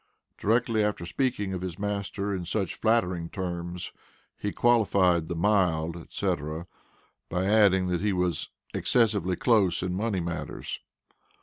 Directly after speaking of his master in such flattering terms he qualified the "mild," &c. by adding that he was excessively close in money matters.